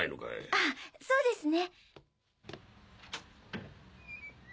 あそうですね。